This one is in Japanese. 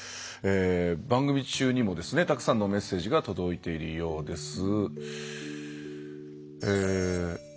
番組中にもですねたくさんのメッセージが届いているようです。